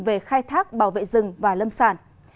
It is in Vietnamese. về khai thác bảo vệ rừng và lâm sản